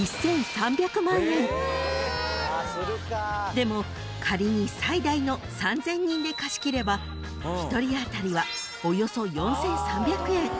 ［でも仮に最大の３，０００人で貸し切れば１人当たりはおよそ４，３００円］